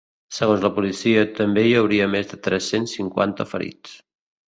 Segons la policia, també hi hauria més de tres-cents cinquanta ferits.